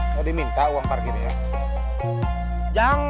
sudah ouiczny tangguh sulant